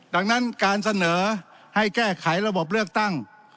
ดังนั้นการเสนอให้แก้ไขระบบเลือกตั้ง